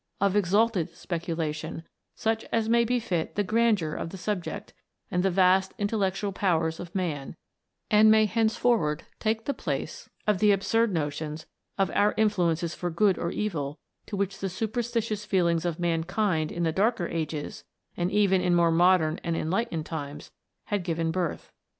of exalted speculation, such as may befit the grandeur of the subject, and the vast intellectual powers of man, and may henceforward take the place of the absurd notions of our influence for good or evil to which the superstitious feelings of mankind in the darker ages, and even in more modern and " enlightened" times, had given birth.